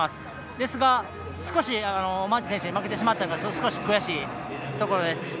ですが、少しマーティン選手に負けてしまって少し悔しいところです。